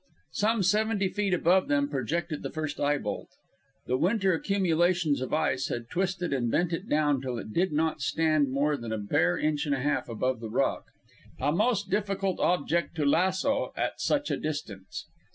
Some seventy feet above them projected the first eye bolt. The winter accumulations of ice had twisted and bent it down till it did not stand more than a bare inch and a half above the rock a most difficult object to lasso as such a distance.